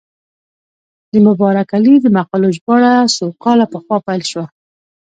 د مبارک علي د مقالو ژباړه څو کاله پخوا پیل شوه.